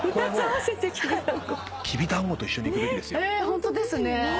ホントですね。